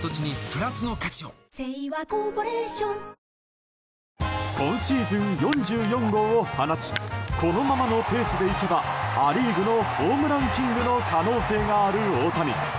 サントリー「金麦」今シーズン４４号を放ちこのままのペースでいけばア・リーグのホームランキングの可能性がある大谷。